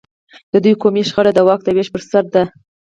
د دوی قومي شخړه د واک د وېش پر سر ده.